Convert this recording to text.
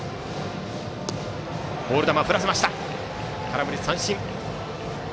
ボール球振らせて空振り三振。